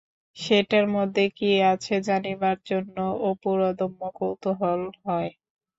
সেটার মধ্যে কি আছে জানিবার জন্য অপুর অদম্য কৌতূহল হয়।